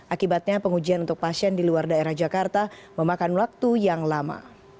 akibatnya pengujian untuk pasien di luar daerah jakarta memakan waktu yang lama